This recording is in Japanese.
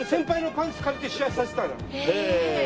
へえ！